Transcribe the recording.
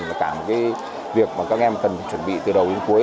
là cả một cái việc mà các em cần chuẩn bị từ đầu đến cuối